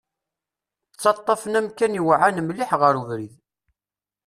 Ttaṭṭafen amkan iweɛɛan mliḥ ɣer ubrid.